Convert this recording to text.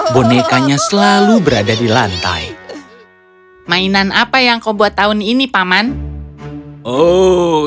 bonekanya selalu berada di lantai mainan apa yang kau buat tahun ini paman oh